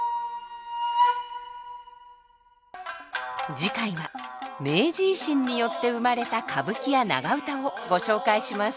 次回は明治維新によって生まれた歌舞伎や長唄をご紹介します。